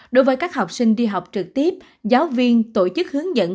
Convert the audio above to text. đối với các học sinh đi học trực tiếp giáo viên tổ chức hướng dẫn